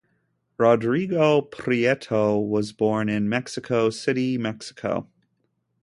Rodrigo Prieto was born in Mexico City, Mexico.